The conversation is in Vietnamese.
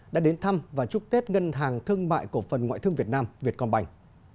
đã đến thăm và chúc tết ngân hàng thương mại cổ phần ngoại thương việt nam vietcombank